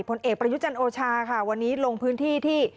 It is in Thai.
ผลเอกประยุจันทร์โอชาค่ะวันนี้ลงพื้นที่ที่